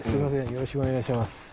よろしくお願いします